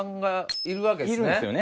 いるんですよね。